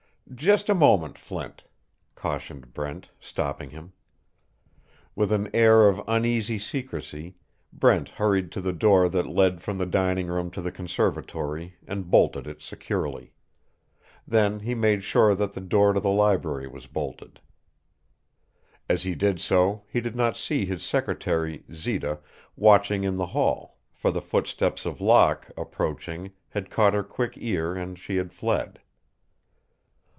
"Just a moment, Flint," cautioned Brent, stopping him. With an air of uneasy secrecy Brent hurried to the door that led from the dining room to the conservatory and bolted it securely. Then he made sure that the door to the library was bolted. As he did so he did not see his secretary, Zita, watching in the hall, for the footsteps of Locke, approaching, had caught her quick ear and she had fled.